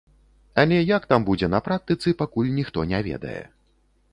Але як там будзе на практыцы, пакуль ніхто не ведае.